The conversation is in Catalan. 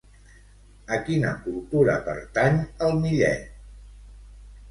A quina cultura pertany el Millet?